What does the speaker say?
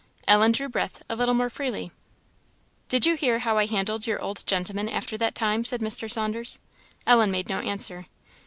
Ellen drew breath a little more freely. "Did you hear how I handled your old gentleman after that time?" said Mr. Saunders. Ellen made no answer.